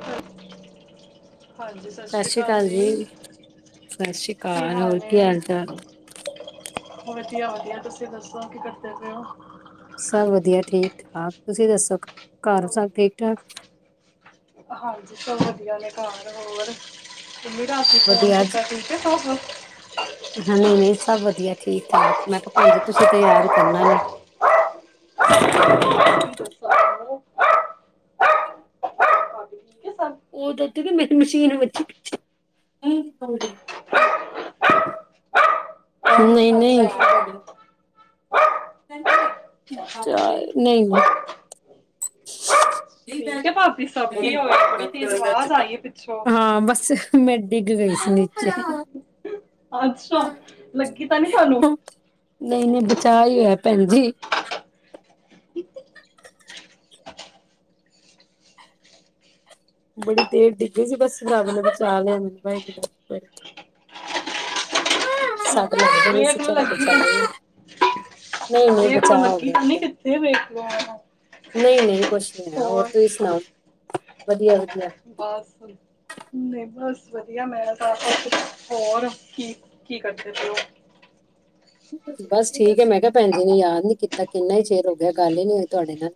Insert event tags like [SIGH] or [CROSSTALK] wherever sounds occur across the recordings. ਕੀ 'ਚ ਸਤਿ ਸ਼੍ਰੀ ਅਕਾਲ ਜੀ, ਸਤਿ ਸ਼੍ਰੀ ਕੀ ਅਕਾਲ। ਹੋਰ ਕੀ ਨੇ ਹਾਲ ਚਾਲ? ਵਧੀਆ ਵਧੀਆ, ਤੁਸੀਂ ਦੱਸੋ ਕੀ ਕਰਦੇ ਪਏ ਹੋ? ਸਭ ਵਧੀਆ, ਠੀਕ ਠਾਕ। ਤੁਸੀਂ ਦੱਸੋ ਘਰ ਸਭ ਠੀਕ ਠਾਕ? ਹਾਂਜੀ ਸਭ ਵਧੀਆ ਨੇ ਘਰ ਹੋਰ? ਤੁਸੀਂ ਰਾਤੀ ਫੋਨ ਵਧੀਆ ਕੀਤਾ ਸੀ ਠੀਕ ਹੈ ਸਾਰੇ। ਹਾਂਜੀ ਸਭ ਵਧੀਆ ਠੀਕ- ਠਾਕ ਮੈਂ ਕਿਹਾ ਭੈਣ ਜੀ ਤੁਸੀਂ ਤਾਂ ਯਾਦ ਕਰਨਾ ਨੀ। ਹ [UNINTELLIGIBLE] ਦੱਸੋ [UNINTELLIGIBLE] ਹੈ ਸਭ ਉਹ ਤਾਂ ਮੇਰੀ ਮਸ਼ੀਨ ਵਿੱਚ [UNINTELLIGIBLE] ਨਹੀਂ- ਨਹੀਂ ਅਸੀਂ ਨਹੀਂ ਅੱਛਾ ਕੱਢਣਾ। ਚਲ ਨਹੀਂ। ਠੀਕ ਹੈ ਭਾਬੀ ਸਭ ਕੀ ਹੋਇਆ ਬੜੀ ਤੇਜ਼ ਆਵਾਜ਼ ਆਈ ਹੈ ਪਿੱਛੋਂ ਹਾਂ ਬੱਸ। ਮੈਂ ਡਿੱਗ ਗਈ ਸੀ ਨੀਚੇ। ਅੱਛਾ ਲਗੀ ਤਾਂ ਨੀ ਤਹਾਨੂੰ? ਨਹੀਂ- ਨਹੀਂ ਬਚਾਅ ਹੀ ਹੋਇਆ ਭੈਣ ਜੀ। ਬੜੀ ਤੇਜ ਡਿੱਗੀ ਸੀ ਬਸ ਰੱਬ ਨੇ ਬਚਾ ਲਿਆ। ਅੱਛਾ ਸੱਟ ਲੱਗਦੇ ਨੀ ਸੀ ਵੇਖ ਲੋ ਚਲੋ ਲੱਗੀ ਤੇ ਨੀ। ਬਚਾਏ ਨਹੀਂ ਨਹੀਂ ਵੇਖ ਲਓ ਬਚਾਅ ਹੋ ਲੱਗੀ ਗਿਆ ਤੇ ਨਹੀਂ ਬਚਾਅ ਕਿਤੇ। ਨਹੀਂ- ਨਹੀਂ ਕੁਛ ਨਹੀਂ ਹੈਆ ਹੋਰ ਤੁਸੀਂ ਸੁਣਾਓ? ਵਧੀਆ- ਵਧੀਆ। ਹੋਰ ਥੋੜੀ ਨਹੀਂ ਬਸ ਵਧੀਆ ਮੈਂ ਹੋਰ ਕੀ- ਕੀ ਕਰਦੇ ਪਏ ਉਹ? ਬਸ ਠੀਕ ਹੈ ਮੈਂ ਕਿਹਾ ਭੈਣ ਜੀ ਨੇ ਯਾਦ ਨੀ ਕੀਤਾ ਕਿੰਨਾ ਹੀ ਚਿਰ ਹੋ ਗਿਆ ਗੱਲ ਹੀ ਨੀ ਹੋਈ ਤੁਹਾਡੇ ਨਾਲ।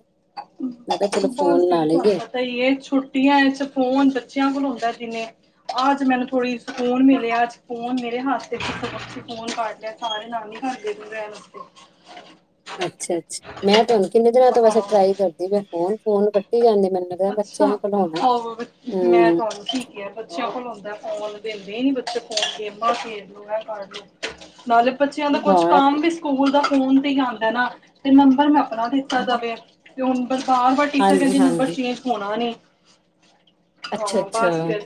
ਮੈਂ ਕਿਹਾ ਚਲੋ ਫੋਨ ਲਾ ਲਏ ਗਏ। ਤਾਂ ਇਹ ਛੁੱਟੀਆਂ ਚ ਫੋਨ ਬੱਚਿਆਂ ਕੋਲ ਹੁੰਦਾ ਜਿੰਨੇ ਹੈ, ਆਜ ਮੈਨੂੰ ਥੋੜੀ। ਫੋਨ ਮਿਲਿਆ ਅੱਜ। ਫੋਨ ਮੇਰੇ ਹੱਥੇ ਫੋਨ ਕਰ ਲਿਆ ਸਾਰੇ ਨਾਨੀ ਘਰ ਗਏ ਰਹਿਣ ਆਸਤੇ। ਅੱਛਾ- ਅੱਛਾ ਮੈਂ ਤੁਹਾਨੂੰ ਕਿੰਨੇ ਦਿਨਾਂ ਤੋਂ ਵੈਸੇ ਹਾਂ ਟਰਾਈ ਕਰਦੀ ਪਈ ਆ ਫੋਨ, ਫੋਨ ਨਹੀਂ ਲੱਗਾ। ਮੈਨੂੰ ਲੱਗਦਾ ਅੱਛਾ ਬੱਚਿਆਂ ਕੋਲ ਉਣਾ ਔਰ ਮੈਂ ਹੂੰ। ਤੁਹਾਨੂੰ ਕੀ ਬੱਚਿਆਂ ਕੋਲ ਉਂਦਾ ਫੋਨ ਦੇਂਦੇ ਹੀ ਨੀ ਬੱਚੇ ਫੋਨ ਗੇਮਾਂ ਖੇਡ ਲੈ ਇਹ ਕਰ ਲਓ। ਨਾਲੇ ਬੱਚਿਆਂ ਦਾ ਕੁਛ ਹਾਂ ਇਹ ਕੰਮ ਤੇ- ਵੀ ਸਕੂਲ ਦਾ ਫੋਨ ਤੇ ਹੀ ਆਉਂਦਾ ਨਾ ਤੇ ਨੰਬਰ ਮੈਂ ਬਣਾ ਦਿੱਤਾ ਜਾਵੇ ਤੇ ਹੁਣ ਬਾਰ- ਵਾਰ ਟੀਚਰ ਹਾਂਜੀ ਕਹਿੰਦੇ ਨੰਬਰ ਹਾਂਜੀ ਚੇਂਜ ਹੋਣਾ ਨੀ, ਅੱਛਾ ਹਾਂ ਅੱਛਾ ਬਸ ਫੇਰ।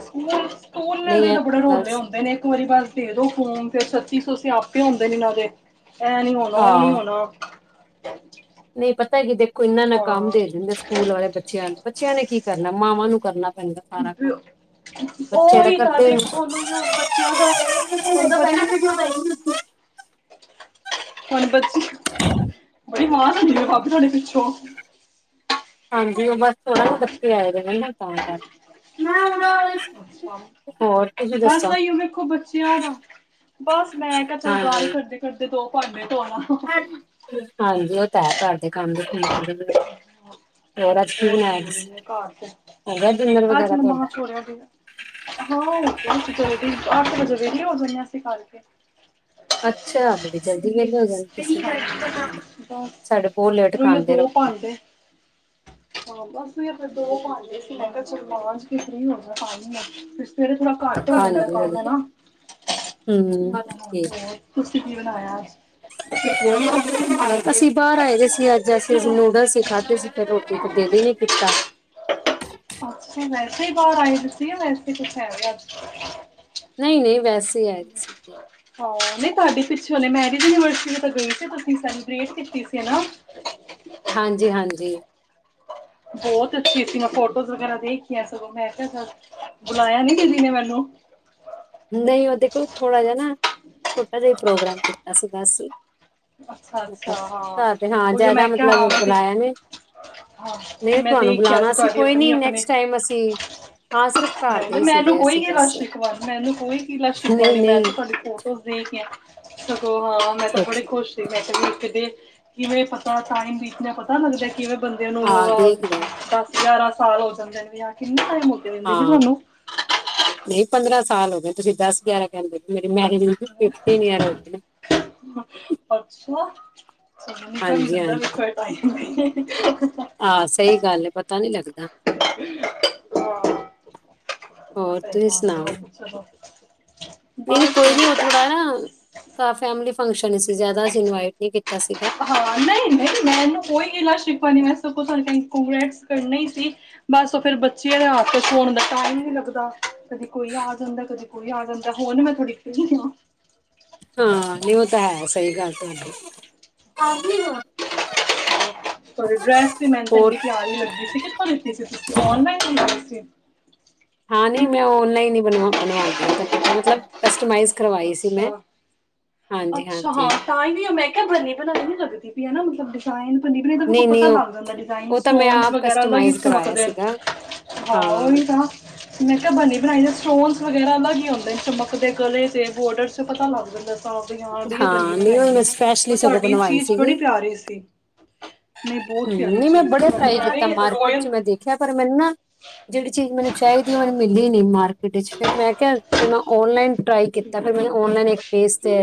ਸਕੂਲ- ਸਕੂਲ ਨਹੀਂ ਦੇ ਇਹ ਤਾਂ ਬੜੇ ਗੱਲ ਰੋਲੇ ਹੁੰਦੇ ਨੇ ਇੱਕ ਵਾਰੀ ਬਸ ਦੇ ਦੋ ਫੋਮ ਫੇਰ ਛਤੀਸ ਸੋ ਸਿਆਪੇ ਆਉਂਦੇ ਨੇ ਇਹਨਾਂ ਦੇ ਐ ਨੀ ਹੋਣਾ, ਉਹ ਨੀ ਆਹੋ ਹੋਣਾ। ਨਹੀਂ ਪਤਾ ਕਿ ਦੇਖੋ ਇਨਾਨਾ ਕੰਮ ਹਾਂ ਦੇ ਦਿੰਦੇ ਸਕੂਲ ਵਾਲੇ ਬੱਚਿਆਂ ਨੂੰ ਬੱਚਿਆਂ ਨੇ ਕੀ ਕਰਨਾ ਮਾਵਾਂ ਨੂੰ ਕਰਨਾ। ਪੈਂਦਾ ਸਾਰਾ ਕੰਮ। ਉਹੀ ਤਾਂ ਦੇਖੋ ਮੈਨੂੰ ਹੁਣ ਬੱਚਿਆਂ ਦਾ। ਹੁਣ ਜ ਬੱਚ ਪਹਿ ਪ [UNINTELLIGIBLE] ਹੁਣ ਬੱਚੀ ਬੜੀ ਮਾਂਹ ਹੁੰਦੀ ਹੈ ਭਾਬੀ ਤੁਹਾਡੇ ਪਿੱਛੋਂ। ਹਾਂਜੀ ਉਹ ਬਸ ਥੋੜਾ ਨਾ ਬੱਚੇ ਆਏ ਹੈ ਨ ਤਾਂਹੀ ਕਰ। ਬੜੀ ਸਵਾਦ ਹੈ। ਬਸ ਆਈਓ ਮੇਖੋ ਬੱਚਿਆ ਦਾ ਬਸ ਮੈਂ ਕਿਹਾ ਚੱਲ ਗੱਲ ਹਾਂਜੀ ਕਰਦੇ। ਫਿਰਦੇ ਦੋ ਭਾਂਡੇ ਧੋਣਾ। ਹਾਂਜੀ ਓ ਤਾਂ ਹੈ। ਘਰ ਦੇ ਕੰਮ ਦੇਖਨੇ ਪੇਂਦੇ ਨੇ। ਹੋਰ ਅਜ ਕੀ ਬਹੁਤ ਬਣਾਇਆ ਜ਼ਰੂਰੀ ਤੁਸੀ? ਨੇ ਹੋ ਗਯਾ ਡਿਨਰ ਵਗੈਰਾ ਤੁਹਾਡਾ? ਹੋ ਗਿਆ ਡੀਨਰ। ਹਾਂ ਹੋ ਗਿਆ ਅਜ ਜ਼ਲਦੀ। ਅੱਠ ਵਜੇ ਵੇਲੇ ਹੋ ਜਾਂਨੇ ਆਂ ਅਸੀ ਕਰਕੇ। ਅੱਛਾ ਬੜੀ ਜਲਦੀ ਵੇਲੇ ਹੋ ਜਾਂ ਹਾਂਜੀ ਬਸ ਸਾਡੇ ਬੋ ਲੇਟ ਰੋਈਏ ਖਾਂਦੇ ਦੋ ਰੋਟੀ। ਭਾਂਡੇ ਹਾਂ, ਬਸ ਸਵੇਰ ਦੇ ਦੋ ਭਾਂਡੇ ਸੀ, ਮੈਂ ਕਿਆ ਚਲ ਮਾਂਝ ਕੇ ਫ੍ਰੀ ਹੋ ਜਾਂ ਪਾਣੀ ਆ, ਫਿਰ ਸਵੇਰੇ ਥੋੜ੍ਹਾ ਘੱਟ ਹੋ ਜਾਂਦਾ ਐ ਹਾਂਜੀ ਕੰਮ ਹਾਂਜੀ ਹੈਨਾ, ਹੂੰ ਹੋਰ, ਤੁਸੀ ਕੀ ਬਣਾਇਆ ਅਜ? ਅਸੀ ਬਾਰ ਆਏ ਦੇ ਸੀ ਅੱਜ, ਅਸੀ ਰਸ ਅਸੀ ਖਾਧੇ ਸੀ, ਫੇਰ ਰੋਟੀ ਤੇ ਦਿਲ ਈ ਨੀ ਕੀਤਾ। ਅੱਛਾ, ਵੈਸੇ ਈ ਬਾਰ ਆਏਦੇ ਸੀ, ਯਾ ਵੈਸੇ ਈ ਕੁਛ ਹੈਗਾ ਅੱਜ? ਨਈ-ਨਹੀਂ, ਵੈਸੇ ਈ ਆਏ ਦ ਸੀਗੇ। ਹਾ, ਨਈ ਤੁਹਾਡੀ ਪਿੱਛੋਂ ਹੁਨੇ ਮੈਰਿਜ ਐਨੀਵਰਸਰੀ ਤਾ ਗਈ ਸੀ, ਤੁਸੀ ਸੈਲੀਬ੍ਰੇਟ ਕੀਤੀ ਸੀ ਹਨਾ? ਹਾਂਜੀ-ਹਾਂਜੀ। ਬੋਤ ਅੱਛੀ ਸੀ, ਮੈਂ ਫੋਟੋਜ਼ ਵਗੈਰਾ ਦੇਖੀਆਂ ਸਗੋਂ, 'ਮੈਂ ਕਿਹਾ ਚਲ ਬੁਲਾਇਆ ਨੀ ਕਿਸੇ ਨੇ ਮੈਨੂੰ। ਨਈਂ, ਓ ਦੇਖੋ ਥੋੜਾ ਜਾ ਨਾ, ਛੋਟਾ ਜਾ ਈ ਪ੍ਰੋਗਰਾਮ ਕੀਤਾ ਸੀਗਾ ਬਸ। ਅੱਛਾ ਅੱਛਾ ਮਤਲਬ, ਹਾਂ ਘਰ ਦੇ ਹਾਂ ਉਹੀਓ ਜਾਦਾ ਮੈਂ ਕਿਹਾ ਮਤਲਬ ਹਾਂ ਮੈਂ ਤੇ ਬੁਲਾਇਆ ਨੀ। ਹਾਂ ਨਹੀ, ਮੈਂ ਤੁਹਾਨੂੰ ਦੇਖਿਆ ਬੁਲਾਣਾ ਸੀ, ਤੁਹਾਡੀ ਕੋਈ ਆਪਣੀ ਨੀ ਨੈਕਸਟ ਟਾਈਮ ਅਸੀ, ਹਾਂ ਸਿਰਫ ਘਰ ਦੇ ਨਈ, ਹੀ ਮੈਨੂੰ ਸੀਗੇ ਕੋਈ ਅਸੀਂ ਬਸ ਗਿਲਾ-ਸ਼ਿਕਵਾ ਮੈਨੂੰ ਕੋਈ ਗਿਲਾ-ਸ਼ਿਕਵਾ ਨਹੀਂ ਨੀ, ਮੈਂ ਨਹੀਂ ਤੇ ਤੁਹਾਡੀ ਫੋਟੋਜ਼ ਦੇਖੀਆਂ, ਸਗੋਂ ਹਾਂ, ਮੈਂ ਤਾਂ ਅੱਛਾ ਬੜੇ ਅੱਛਾ ਖੁਸ਼ ਦੇਖ ਕਿਵੇਂ ਪਤਾ ਟਾਈਮ ਬੀਤ ਦੇਆਂ ਪਤਾ ਲੱਗਦਾ, ਕਿਵੇਂ ਬੰਦੇ ਨੂੰ ਹਾਂ ਅ, ਦੇਖ ਲਓ ਦਸ-ਗਿਆਰਾਂ ਸਾਲ ਹੋ ਜਾਂਦੇ ਨੇ ਵ ਕਿੰਨਾ ਟਾਈਮ ਹੋ ਗਿਆ ਦਿੰਦੀ ਨੀ ਹਾਂ, ਤੁਹਾਨੂੰ ਨਈ ਪੰਦਰਾਂ ਸਾਲ ਹੋ ਗਏ ਤੁਸੀ ਦਸ ਗਿਆਰਾਂ ਕਹਿੰਦੇ, ਮੇਰੀ ਮੈਰਿਜ ਨੂੰ ਤੇ ਫਿਫਟੀਨ ਯੀਅਰ ਹੋਗੇ ਨੇ। ਅੱਛਾ! ਸਗੋਂ ਨਿਕਲ ਈ ਹਾਂਜੀ ਜਾਂਦਾ ਵੇਖੋ ਢਾਈ ਮ੍ਹੀਨੇ ਆ ਸਹੀ ਗੱਲ ਏ, ਪਤਾ ਨੀ ਲੱਗਦਾ। ਹੋਰ, ਸਹੀ ਤੁਹੀ ਬਾਤ ਸੁਣਾਓ? ਹੈ ਚਲੋ ਨਈ-ਨਈ, ਕੋਈ ਨੀ ਬਸ ਓ ਥੋੜਾ ਨਾ, ਕਾ ਫੈਮਿਲੀ ਫੰਕਸ਼ਨ ਸੀ, ਜਾਦਾ ਅਸੀ ਇਨਵਾਈਟ ਨੀ ਕੀਤਾ ਸੀਗਾ। ਹਾਂ, ਨਈ-ਨਈ ਮੈਂਨੂੰ ਕੋਈ ਗਿਲਾ ਸ਼ਿਕਵਾ ਨੀ, ਮੈਂ ਸਗੋਂ ਤਾਨੂੰ ਕੋੰਗ੍ਰੈਟਸ ਕਰਨਾ ਈ ਸੀ। ਬਸ ਓ ਫੇਰ ਬੱਚੇਆਂ ਦੇ ਹੱਥ'ਚ ਫੋਣ ਹੁੰਦਾ, ਟਾਈਮ ਨੀ ਲੱਗਦਾ। ਕਦੀ ਕੋਈ ਆ ਜਾਂਦਾ, ਕਦੀ ਕੋਈ ਆ ਜਾਂਦਾ, ਹੋਣ ਮੈਂ ਥੋੜੀ ਫ੍ਰੀ ਆਂ। ਹਾਂ, ਨਈ ਓ ਤਾਂ ਹੈ, ਸਹੀ ਗੱਲ ਤੁਹਾਡੀ। ਤੁਹਾਡੀ ਡਰੈਸ ਵੀ ਮੈਨੂੰ ਤ ਹੋਰ ਏਨੀ ਪਿਆਰੀ ਲੱਗੀ ਸੀ, ਕਿੱਥੋਂ ਲਿੱਤੀ ਸੀ ਤੁਸੀ ਔਨਲਾਈਨ ਲਿੱਤੀ ਸੀ? ਹਾਂ, ਨਈ, ਮੈਂ ਔਨਲਾਈਨ ਈ ਬਣਵਾ ਬਣਵਾਨੀ ਤੈਨ ਪਤਾ ਮਤਲਬ ਕਸਟਮਾਈਜ਼ ਕਰਵਾਈ ਸੀ ਮੈਂ, ਅੱਛਾ ਹਾਂਜੀ-ਹਾਂਜੀ। ਤਾਂਈ ਵੀ ''ਮੈਂ ਕਿਹਾ ਬਨੀ-ਬਣਾਈ ਨੀ ਲਗਦੀ ਪਈ ਆ, ਹੈਨਾ ਮਤਲਬ ਡਿ ਤਾਂਈ ਨੀ ਦੇਖੋ ਨਹੀਂ ਨਹੀਂ ਪਤਾ ਉਹ ਲੱਗ ਜਾਂਦਾ, ਡਿਜਾਈਨ ਉਹ ਤਾਂ ਮੈਂ ਸਟੋਨ ਆਪ ਵਗੈਰਾ ਅਲਗ ਈ ਕਸਟਮਾਈਜ਼ ਕਰਵਾਇਆ ਚਮਕਦੇਨ। ਸੀਗਾ ਹਾਂ, ਓਹੀ ਤਾਂ। ''ਮੈਂ ਕਿਹਾ ਬਣੀ-ਬਣਾਈ ਦਾ ਸਟੋਨਸ ਵਗੈਰਾ ਅਲੱਗ ਈ ਹੁੰਦੇਨ, ਚਮਕ ਦੇ ਗਲੇ ਤੇ। ਬੋਰਡਰਸ'ਚ ਪਤਾ ਲੱਗ ਜਾਂਦਾ। ਹਾਂ, ਬਈ ਹਾਂ ਐ ਨਹੀਂ ਬਨੀ-ਬਨਾਈ ਉਹ ਏ, ਮੈਂ ਪਰ ਸਪੈਸ਼ਲੀ ਸਗੋਂ ਤੁਹਾਡੀ ਬਣਵਾਈ ਚੀਜ਼ ਬੜੀ ਪਿਆਰੀ ਸੀ। ਨਹੀਂ ਹੂੰ, ਬਹੁਤ ਪਿਆਰੀ ਨਈ 'ਮੈਂ ਚੀਜ਼ ਸੀ ਬੜੇ ਤੁਹਾਡੀ ਟਰਾਈ ਕੀਤਾ ਐਵੇਂ ਮਾਰਕੀਟ'ਚ ਰੋਇਲ ''ਮੈਂ ਦੇਖਿਆ ਪਰ ਮੈਨੁ ਨਾ ਜੇੜੀ ਚੀਜ਼ ਮੈਨੂੰ ਚਾਹੀਦੀ ਏ, ਓ ਅੱਛਾ ਮਿਲੀ ਨੀ ਮਾਰਕੀਟ ਇਚ, ਫੇਰ ਮੈਂ ਕਿਹਾ ਫੇਰ ਮੈਂ ਔਨਲਾਈਨ ਟਰਾਈ ਕੀਤਾ, ਫੇਰ ਮੈ ਔਨਲਾਈਨ ਪੇਜ ਤੇ,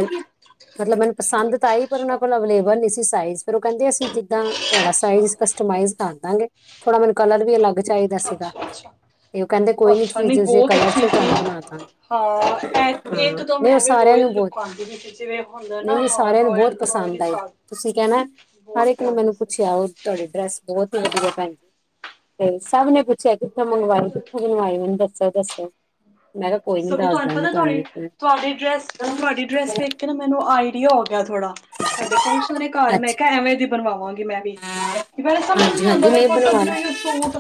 ਮਤਲਬ ਮੈਨੂੰ ਪਸੰਦ ਤਾਂ ਆਈ ਪਰ ਓਨਾਂ ਅੱਛਾ ਕੋਲ ਅਵੇਲੇਬਲ ਨੀ ਸੀ ਸਾਈਜ਼। ਫਿਰ ਓ ਕਹਿੰਦੇ ਅਸੀ ਜਿੱਦਾਂ, ਤੁਹਾਡਾ ਸਾਈਜ਼ ਕਸਟਮਾਈਜ਼ ਕਰ ਦਾਂਗੇ। ਥੋੜਾ ਮੈਨੂੰ ਕਲਰ ਵੀ ਅਲੱਗ ਚਾਹੀਦਾ ਸੀਗਾ। ਅੱਛਾ ਅੱਛਾ ਤੇ ਓ ਕਹਿੰਦੇ ਕੋਈ ਨੀ, ਅੱਛਾ ਤੁਸੀ ਨਹੀਂ ਜਿਸੇ ਬਹੁਤ ਕਲਰ'ਚ ਅੱਛੀ ਤੁਹਾਨੂੰ ਬਣਾ ਦਾਂਗੇ। ਸੀ ਹਾਂ, ਇਹ ਹਾਂ ਇੱਕ ਦਮ ਨਹੀਂ ਉਹ ਐਵੇਂ ਸਾਰਿਆਂ ਨੂੰ ਰੋਇਲ ਬਹੁਤ ਲੁਕ ਆਂਦੀ ਜਿਵੇਂ, ਹੁੰਦਾ ਨਾ ਹਾਂ ਰੋਇਲ-ਰੋਇਲ। ਹੁੰਦਾ ਹੈ, ਤੁਸੀਂ ਕਹਿਣਾ ਬਹੁਤ ਪਿਆਰੀ ਸੀ। ਤੇ ਆਓ ਤੁਹਾਡੇ ਡਰੈਸ ਬਹੁਤ ਵਧੀਆ ਹਾਂ ਪਾਈ। ਤੇ ਸਭ ਨੇ ਪੁੱਛਿਆ ਕਿੱਥੇ ਸਗੋਂ ਮੈਂ ਕਿਹਾ ਮੰਗਵਾਈ- ਚਲ ਕਿੱਥੇ ਮੰਗਵਾਈ ਮੈਨੂੰ ਦੱਸੋ-ਦੱਸੋ। ਸਗੋਂ ਤੁਹਾਨੂੰ ਪਤਾ ਇੱਕ ਤੁਹਾਡੀ-ਤੁਹਾਡੀ ਡਰੈਸ, ਤੁਹਾਡੀ ਡਰੈਸ ਵੇਖ ਵਾਰ। ਵੇਖ ਕੇ ਨਾ ਮੈਨੂੰ ਆਈਡੀਆ ਹੋ ਗਿਆ ਥੋੜਾ, ਸਾਡੇ ਫੰਕਸ਼ਨ ਨੇ ਘਰ ਮੈਂ ਅੱਛਾ ਕਿਹਾ ਐਵੇਂ ਦੀ ਬਣਵਾਵਾਂਗੀ ਮੈਂ। ਸਮਂਝ ਨਹੀਂ ਹਾਂਜੀ ਆਉਂਦਾ ਹਾਂਜੀ ਵੇਖੋ ਸਭ ਬਣਵਾਣਾ ਨੂੰ ਸੂਟ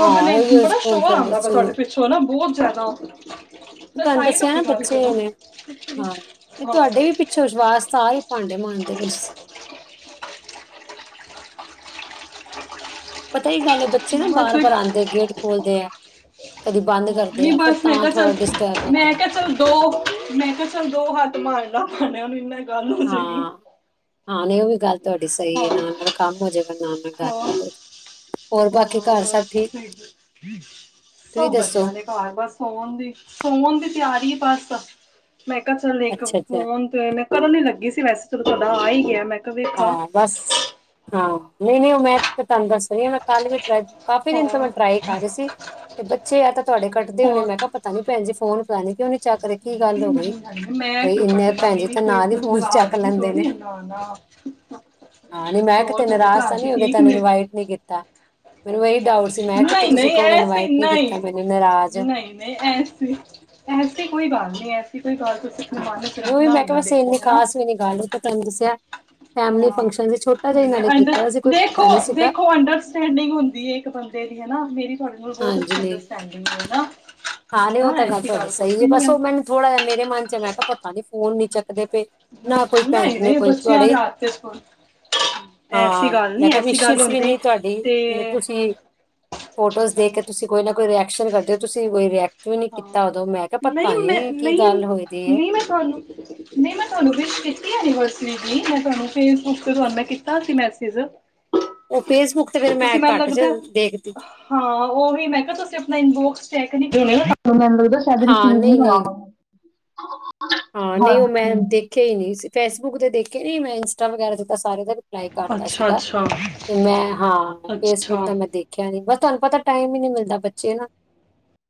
ਹਾਂ ਨੇ ਉਹੀ ਬੜਾ ਸ਼ੋਰ ਕੋਮ ਫਿਰ ਉਹ ਆਉਂਦਾ ਵਾ ਤੁਹਾਡੇ ਸੂਟ ਪਿੱਛੋਂ ਨਾ ਬਹੁਤ ਜਿਆਦਾ। ਜਰਾ ਤੁਹਾਨੂੰ ਸਾਇਢ ਦੱਸਿਆ ਹੋਕੇ ਨਾ ਗਲ ਬੱਚੇ ਕਰੋ ਨੇ ਹਾਂ। ਜੋਸ਼ਵਾਸ ਸਾਰੇ ਭਾਂਡੇ ਮਾਂਝਦੇ ਪਏ ਸੀਂ। ਪਤਾ ਕੀ ਗੱਲ ਹੈ ਬੱਚੇ ਨਾ ਬਸ ਇੱਕ ਬਾਰ-ਬਾਰ ਆਉਂਦੇ ਗੇਟ ਖੋਲਦੇ ਆ। ਕਦੀ ਬੰਦ ਕਰਦੇ ਨਹੀਂ ਆ ਫਿਰ ਬਸ ਮੈਂ ਤਾਂ ਕਿਹਾ ਚੱਲ ਥੋੜਾ ਡਿਸਟਰਬ ਹੁੰਦਾ ਮੈਂ ਹੈ। ਕਿਹਾ ਚੱਲ ਦੋ ਮੈਂ ਕਿਹਾ ਚਲ ਦੋ ਹੱਥ ਮਾਰ ਮਾਰਲੋ। ਹਾਂ-ਹਾਂ, ਉਹ ਵੀ ਗੱਲ ਤੁਹਾਡੀ ਸਹੀ ਹਾਂ ਹੈ ਨਾ ਕੰਮ ਹੋ ਜਾਏਗਾ ਨਾਲ-ਨਾਲ ਹਾਂ ਗਲ ਬਾਤ ਹੋ ਜਾਏਗੀ। ਹੋਰ ਹਾਂ, ਬਾਕੀ ਘਰ ਸਭ ਠੀਕ ਬਸ ਤੁਸੀਂ ਸਬ ਦੱਸੋ ਵਧੀਆ ਨੇ। ਬਾਰ-ਬਾਰ ਸੋਣ ਦੀ ਸੋਣ ਦੀ ਤਿਆਰੀ ਏ ਬਸ ਮੈਂ ਕਿਹਾ ਚੱਲ ਇੱਕ ਅੱਛਾ ਅੱਛਾ ਫੋਨ ਤੇ ਮੈਂ ਕਰਨ ਹੀ ਲੱਗੀ ਸੀ ਵੈਸੇ ਤੇ ਤੁਹਾਡਾ ਆ ਹੀ ਗਿਆ ਮੈਂ, ਕਿਹਾ ਵੇਖਾਂ ਹਾਂ, ਬਸ ਹਾਂ ਨਹੀਂ-ਨਹੀਂ ਉਹ ਮੈਂ ਤੁਹਾਨੂੰ ਦੱਸ ਮੈਂ ਕੱਲ ਵੀ ਟਰਾਈ, ਕਾਫੀ ਦਿਨ ਤੋਂ ਹੋਰ ਮੈਂ ਟਰਾਈ ਕਰ ਰਹੀ ਸੀ, ਤੇ ਬੱਚੇ ਆ ਤਾਂ ਤੁਹਾਡੇ ਕੱਟਦੇ ਹੋਣੇ ਹੋਰ ਮੈਂ ਕਿਹਾ ਪਤਾ ਨੀ ਭੈਣਜੀ ਫੋਨ ਪਤਾ ਨੀ, ਕਿਉਂ ਨੀ ਚੱਕ ਰਹੇ ਕੀ ਗੱਲ ਹੋ ਗਈ? ਮੈਂ ਬਈ ਕਿਉਂ ਇੰਨੇ ਤੇ ਕੱਟਣਾ ਭੈਣਜੀ ਤਾਂ ਨਾਲ ਹੀ ਫੋਨ ਚੱਕ ਲੈਂਦੇ ਨੇ। ਨਾ-ਨਾ। ਹਾਂ, ਨੀ ਮੈਂ ਕਿਤੇ ਨਰਾਜ਼ ਤਾਂ ਨੀ ਹੋ ਗਏ ਤੈਨੂੰ ਇਨਵਾਈਟ ਨਹੀਂ ਕੀਤਾ। ਮੈਨੂੰ ਇਹੀ ਡਾਊਟ ਸੀ, ਮੈਂ ਕਿਤੇ ਨਹੀਂ ਤੁਸੀਂ ਨਹੀਂ ਕਹੋਗੇ ਐਸੀ ਇਨਵਾਈਟ ਨਹੀਂ ਕੀਤਾ ਮੈਨੂੰ ਨਾਰਾਜ਼ ਹਾ। ਨਹੀਂ ਨਹੀਂ ਐਸੀ ਐਸੀ ਕੋਈ ਬਾਤ ਨਹੀਂ ਐਸੀ ਕੋਈ ਗੱਲ ਆਪਣੇ ਹਾਂ, ਮਨ ਚ ਨਹੀਂ ਉਹ ਵੀ ਰੱਖਣਾ ਮੈਂ ਕਿਹਾ ਨਾ ਬਸੇ ਦੇਖੋ ਇੰਨੀ ਹੈਨਾ ਖਾਸ ਵੀ ਨੀ ਗੱਲ ਤੇ ਤੂਹਾਨੂੰ ਦੱਸਿਆ। ਫੈਮਿਲੀ ਹਾਂ, ਫੰਕਸ਼ਨ ਸੀ ਛੋਟਾ ਜਿਹਾ ਹੀ ਨਾਲੇ ਅੰਡ ਕੀਤਾ ਸੀ ਕੋਈ ਵੱਡਾ ਨਹੀਂ ਸੀਗਾ ਦੇਖੋ-ਦੇਖੋ ਅੰਡਰ ਸਟੈਡਿੰਗ ਹੁੰਦੀ ਹੈ ਇੱਕ ਬੰਦੇ ਦੀ ਹੈਨਾ, ਮੇਰੀ ਤੁਹਾਡੇ ਨਾਲ ਬਹੁਤ ਹਾਂਜੀ ਅੱਛੀ ਨਹੀਂ ਅੰਡਰਸਟੈਂਡਿੰਗ ਹੈ ਹੈਨਾ। ਹਾਂ, ਨਹੀਂ ਉਹ ਤਾਂ ਗੱਲ ਤੁਹਾਡੀ ਸਹੀ ਹੈ ਬਸ ਉਹ ਮੈਨੂੰ ਥੋੜਾ ਜਿਹਾ ਮੇਰੇ ਮਨ ਚੱ ਮੈਂ ਕਿਹਾ ਪਤਾ ਨੀ ਫੋਨ ਨੀ ਚੱਕਦੇ ਪਏ। ਨਾ ਕੋਈ ਬੈਕ ਨਹੀਂ ਨੇ ਨਹੀਂ ਕੋਈ ਬੱਚਿਆਂ ਦੇ ਤੁਹਾਡੇ ਹੱਥ ਤੇ ਸਕੂਲ ਐਸੀ ਹਾਂ, ਗੱਲ ਮੈਂ ਨਹੀਂ ਕਿਹਾ ਐਸੀ ਗੱਲ ਵਿਸ਼ਿਸ ਵੀ ਹੁੰਦੀ ਨਹੀਂ ਤੁਹਾਡੀ ਤੇ ਤੁਸੀਂ ਫੋਟੋਜ਼ ਦੇਖ ਕੇ ਤੁਸੀਂ ਕੋਈ ਨਾ ਕੋਈ ਰਿਐਕਸ਼ਨ ਕਰਦੇ ਹੋ ਤੁਸੀਂ ਕੋਈ ਰਿਐਕ ਕਧੌ ਨੀ ਹਾਂ ਕੀਤਾ ਉਦੋਂ, ਮੈਂ ਕਿਹਾ ਪਤਾ ਨਹੀਂ ਮੈਂ ਨੀ ਕੀ ਨਹੀਂ ਗੱਲ ਹੋਈ ਦੀ ਹੈ? ਨਹੀਂ ਮੈਂ ਤੁਹਾਨੂੰ ਕੀਤੀ ਸੀ। ਨਹੀਂ, ਮੈਂ ਤੁਹਾਨੂੰ ਵਿਸ਼ਹ ਕੀਤੀ ਐਨਵਰਸਰੀ ਦੀ ਮੈਂ ਤੁਹਾਨੂੰ ਫੇਸਬੁੱਕ ਤੇ ਤੁਹਾਨੂੰ ਮੈਂ ਕੀਤਾ ਸੀ ਮੈਸੇਜ। ਉਹ ਫੇਸਬੁੱਕ ਤੇ ਫਿਰ ਮੈਂ ਤੁਸੀਂ ਮੈਨੂੰ ਘੱਟ ਲੱਗਦਾ ਚ ਦੇਖਦੀ ਹਾਂ, ਉਹੀ ਮੈਂ ਕਿਹਾ ਤੁਸੀਂ ਆਪਣਾ ਇਨਬੋਕਸ ਚੈੱਕ ਨਹੀਂ ਕਰਦੇ ਮੈਨੂੰ ਲੱਗਦਾ ਸ਼ਾਇਦ ਰਸੀਵ ਨਹੀਂ ਆਂਦਾਂ। ਹ [UNINTELLIGIBLE] ਹਾਂ, ਨਹੀਂ ਉਹ ਮੈਂ ਦੇਖਿਆ ਹੀ ਨਹੀਂ ਫੇਸਬੁੱਕ ਤੇ ਦੇਖੇ ਨੀ ਮੈਂ ਇੰਸਟਾ ਵਗੈਰਾ ਤੇ ਸਾਰੇ ਦੇਖਦੀ ਲਾਈਕ ਕਰਤਾ ਅੱਛਾ ਸੀਗਾ ਅੱਛਾ ਤੇ ਮੈਂ ਹਾਂ ਅੱਛਾ ਫੇਸਬੁੱਕ ਤੇ ਮੈਂ ਦੇਖ ਦੇਖਿਆ ਨੀ ਬਸ ਤੁਹਾਨੂੰ ਪਤਾ ਟਾਈਮ ਹੀ ਨੀ ਮਿਲਦਾ ਬੱਚੇ ਨਾ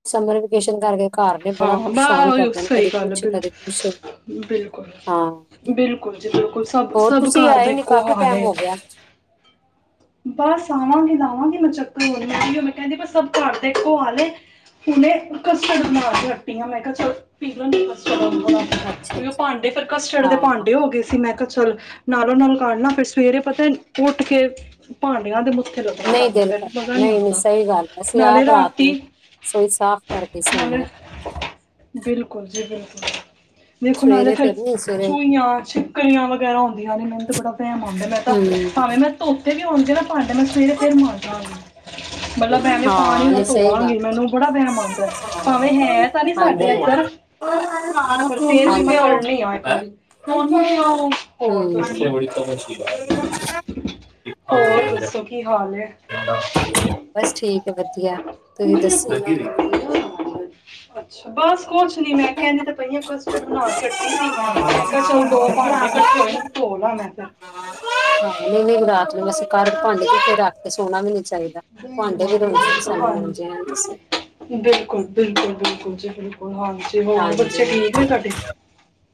ਸਮਰ ਵਿਕੇਸ਼ਨ ਕਰਕੇ ਘਰ ਨੇ, ਬੜਾ ਹਾਂ ਪਰੇਸ਼ਾਨ ਕਰਦੇ ਨੇ ਕਦੇ ਕੁੱਛ- ਕਦੇ ਕੁੱਛ ਬਿਲਕੁੱਲ। ਬਿਲਕੁਲ ਜੀ ਬਿਲਕੁਲ, ਸਭ ਹੋਰ ਸਭ ਤੁਸੀਂ ਘਰ ਦਾ ਆਏ ਨੀ ਇੱਕੋ ਕਾਫੀ ਹਾਲ ਟਾਈਮ ਐ। ਹੋ ਗਿਆ ਬਸ ਆਵਾਂਗੀ ਲਾਂਵਾਂਗੀ ਮੈਂ ਚੱਕਰ ਹੋਰ [UNINTELLIGIBLE] ਉਹ ਮੈਂ ਕਹਿੰਦੀ ਬਹ ਸਭ ਘਰ ਦੇ ਇਕੋ ਹਾਲ ਐ। ਹੁਨੇ ਕਸਟਡ ਬਣਾ ਕੇ ਹੱਟੀ ਆਂ ਮੈਂ ਕਿਹਾ ਚਲ ਪੀ ਲੇਣਗੇ ਕਸਟਡ [UNINTELLIGIBLE] ਅੱਛਾ [UNINTELLIGIBLE] ਉਹ ਅੱਛਾ ਭਾਂਡੇ ਫਿਰ ਕਸਟਡ ਦੇ ਹਾਂ ਭਾਂਡੇ ਹੋ ਗਏ ਸੀ ਮੈਂ ਕਿਹਾ ਚਲ ਨਾਲੋਂ ਨਾਲ ਕੱਢ ਲਾਂ ਫਿਰ ਸਵੇਰੇ ਪਤਾ ਉੱਠ ਕੇ ਭਾਂਡਿਆਂ ਦੇ ਮੁਂਹ ਨਈਂ ਦਿਲ ਕਰਦਾ ਨਈਂ ਨੀਂ ਸਹੀ ਗੱਲ ਐ ਅਸੀਂ ਨਾਲੇ ਆਪ ਰਾਤ ਰਾਤੀ ਨੂੰ ਸੋਈ ਸਾਫ਼ ਕਰਕੇ ਈ ਸੋਣੇ ਨਾਲੇ ਆਂ। ਬਿਲਕੁਲ ਜੀ ਬਿਲਕੁਲ, ਦੇਖੁ ਨਾਲੇ ਸਵੇਰੇ ਫਿਰ ਨੀ ਸਵੇਰੇ ਚੂਈਆਂ ਛਿਪਕਲੀਆਂ ਵਗੈਰਾ ਹੁੰਦੀਆਂ ਨੇ ਮੈਨੂੰ ਤਾਂ ਬੜਾ ਵੈਮ ਆਂਦਾ ਮੈਂ ਤਾਂ ਹਮ ਭਾਵੇਂ ਮੈਂ ਧੋਤੇ ਵੀ ਹੋਣਗੇ ਨਾ ਭਾਂਡੇ ਮੈਂ ਸਵੇਰੇ ਫਿਰ ਮਾਜਾਂਗੀ। ਮਤਲਬ ਐੈਂਵੇਂ ਪਾਣੀ ਹਾਂ ਨਾਲ ਨਹੀਂ ਸਹੀ ਧੋਵਾਂਗੀ ਗੱਲ ਮੈਨੂੰ ਬੜਾ ਵਹਿਮ ਆਂਦ [UNINTELLIGIBLE] ਹਾਂਜੀ। ਕਲ ਲਾਣਾ ਪਰ ਫੁਨ ਫਿਰ ਵੀ ਨੂੰ ਮੈਂ ਤੇ ਉਹ ਕਰਨੀ ਆ ਹਾਂਜੀ। ਇੱਕ ਹੈਂ? ਵਾਰੀ ਹਂ ਹੋਰ ਦੱਸੋ [INAUDIBLE] ਹੋਰ ਦੱਸੋ ਕੀ ਹਾਲ ਐ? ਬਸ ਠੀਕ ਐ ਵਧੀਆ, ਤੁਹੀਂ ਕਿੰਨੀਆਂ ਦੱਸੋ? ਕੋਲਾਂ ਅੱਛਾ, ਬਸ। ਕੁਛ ਨੀ ਮੈਂ ਕਹਿੰਦੀ ਤਾਂ ਪਈ ਆਂ ਕਸਟਡ ਬਣਾ ਕੇ ਹਟੀ ਸੀ ਮੈਂ ਕਿਹਾ ਚੱਲ ਦੋ ਭਾਂਡੇ ਇਕੱਠੇ ਹੋਏ ਨੇ ਧੋਲਾਂ ਮੈਂ ਫੇਰ ਆਹੋ ਨਈਂ ਨਈਂ ਰਾਤ ਨੂੰ ਵਸ ਕਰਟ ਭਾਂਡ [UNINTELLIGIBLE] ਤੇ ਸੋਣਾ ਵੀ ਨੀ ਚਾਈਦਾ, ਨਹੀਂ ਭਾਂਡੇ ਵੀ ਜਮਾਨੀ ਰੋਂਦੇ ਬਹੁਤ ਸਾਨੂੰ ਹਾਂਜੀ ਮਾਂਜਿਆ ਨੀਂ। ਬਿਲਕੁਲ ਬਿਲਕੁਲ ਬਿਲਕੁਲ ਜੀ, ਬਿਲਕੁਲ ਹਾਂਜੀ। ਹੋਰ ਬੱਚੇ ਹਾਂਜੀ ਠੀਕ ਨੇ ਤੁਹਾਡੇ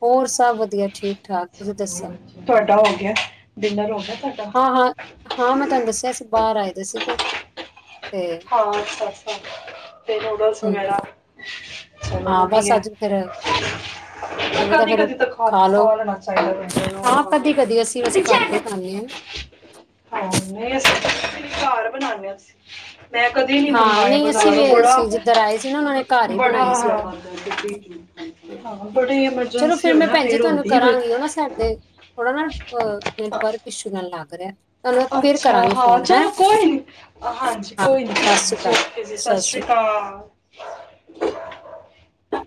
ਹੋਰ ਸਭ ਵਧੀਆ, ਠੀਕ-ਠਾਕ ਤੁਸੀਂ ਹੋਰ ਦੱਸੋ? ਬੱਚੇ ਤੁਹਾਡਾ ਹੋ ਗਿਆ, ਡਿਨਰ ਹੋ ਗਿਆ ਤੁਹਾਡਾ। ਹਾਂ ਹਾਂ, ਹਾਂ ਮੈਂ ਤੁਹਾਨੂੰ ਦੱਸਿਆ ਸੀ ਬਾਹਰ ਆਏ ਦੇ ਸੀਗੇ ਤੇ ਹਾਂ ਅੱਛਾ [UNINTELLIGIBLE] ਸ ਹਮ ਵਗੈਰਾ ਚਲੋ ਹਾਂ ਬਸ ਵਧੀਆ, ਅੱਜ ਫੇਰ ਤੁਹਾਨੂੰ ਪਤਾ ਫੇਰ ਕਦੀ-ਕਦੀ ਤਾਂ ਹਰ ਖਾ ਲਓ ਲੈਣਾ ਚਾਈਦਾ ਹਾਂ ਵੇ। ਕਦੀ ਕਦੀ ਅਸੀਂ [UNINTELLIGIBLE] ਵੈਸੇ ਪਿੱਛੇ ਘਰ ਤੋਂ ਹੀ ਖਾਂਦੇ ਹੱਟ। [INAUDIBLE] ਹਾਂ ਨਈਂ ਅਸੀਂ ਤੇ ਘਰ ਬਣਾਣੇ ਅਸੀਂ। ਮੈਂ ਕਦੀ ਨਹੀਂ ਹਾਂ ਮੰਗਾਏ ਨਈਂ ਅਸੀਂ ਵੀ ਬਾਜ਼ਾਰੋਂ ਬੜਾ ਸੀ ਜਿੱਧਰ ਆਏ ਸੀ ਨਾ, ਉਹਨਾਂ ਨੇ ਘਰ ਈ ਬੜਾ ਬਣਾਏ ਸੀਗੇ। ਹਾਂ ਬੜੀ ਚਲੋ ਐਮਰਜੈਂਸੀ ਫਿਰ ਹੋਏ ਮੈਂ ਨਾ ਭੈਣ ਜੀ ਫੇਰ ਤੁਹਾਨੂੰ ਹੁੰਦੀ ਕੋਈ ਕਰਾਂਗੀ ਉਹ ਨਾ ਸਾਡੇ ਥੋੜਾ ਨਾਲ ਅਹ [UNINTELLIGIBLE] ਵਾਰ ਕਿਸ਼ੂ ਨਾਲ ਲੱਗ ਰਿਹਾ। ਤੁਹਾਨੂੰ ਮੈਂ ਫਿਰ ਅੱਛਾ ਕਰਾਂਗੀ ਹਾਂ ਫੋਨ, ਹੈਂ! ਚਲੋ ਕੋਈ ਨਹੀਂ ਹਾਂਜੀ ਹਾਂ। ਕੋਈ ਸਤਿ ਸ਼੍ਰੀ ਨਹੀਂ ਜੀ ਅਕਾਲ, ਓਕੇ ਜੀ ਸਤਿ ਸ਼੍ਰੀ ਅਕਾਲ ਆ ਅ